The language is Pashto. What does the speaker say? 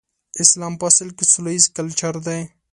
اسلام په اصل کې سوله ييز کلچر دی.